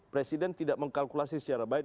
presiden tidak mengkalkulasi secara baik